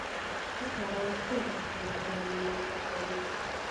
• ښه سړی تل د خپلې کورنۍ ملاتړ کوي.